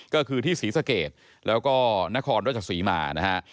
ก็คือที่ศรีสะเกดแล้วก็นครราชศรีมานะฮะ